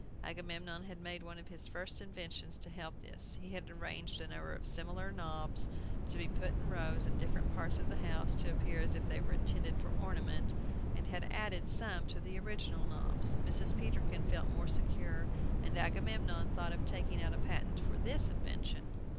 Agamemnon had made one of his first inventions to help this. He had arranged a number of similar knobs to be put in rows in different parts of the house, to appear as if they were intended for ornament, and had added some to the original knobs. Mrs. Peterkin felt more secure, and Agamemnon thought of taking out a patent for this invention.